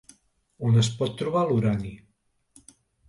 On es pot trobar l'urani?